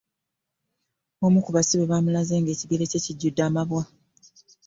Omu ku basibe baamulaze ng'ekigere kye kijjudde amabwa.